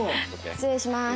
失礼します。